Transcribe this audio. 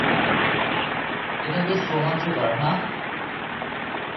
এটা বেশ রোমাঞ্চকর, হাহ?